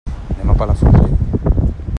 Anem a Palafrugell.